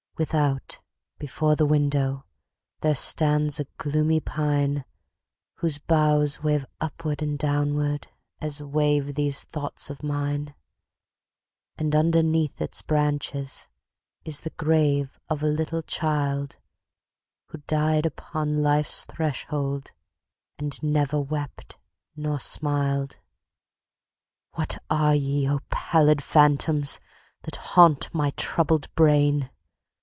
Without before the window, There stands a gloomy pine, Whose boughs wave upward and downward As wave these thoughts of mine. And underneath its branches Is the grave of a little child, Who died upon life's threshold, And never wept nor smiled. What are ye, O pallid phantoms! That haunt my troubled brain?